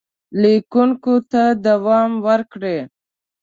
لیکونو ته دوام ورکړئ.